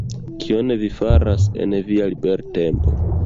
Kion vi faras en via libertempo?